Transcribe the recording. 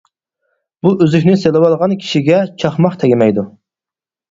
بۇ ئۈزۈكنى سېلىۋالغان كىشىگە چاقماق تەگمەيدۇ.